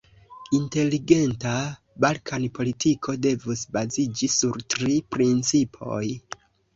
Inteligenta Balkan-politiko devus baziĝi sur tri principoj.